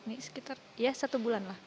ini sekitar ya satu bulan lah